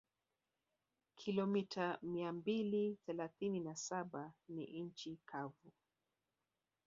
Kilomita mia mbili thelathini na saba ni nchi kavu